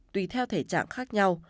tùy theo thể trạng khác nhau